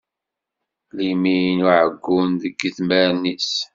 Limin uɛeggun deg idmaren is.